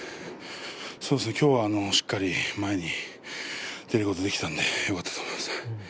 今日はしっかり前に出ることができたんでよかったと思います。